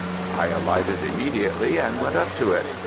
I alighted immediately, and went up to it.